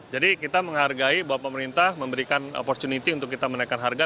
jadi kita menghargai bahwa pemerintah memberikan opportunity untuk kita menaikan harga